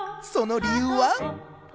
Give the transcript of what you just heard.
その理由は？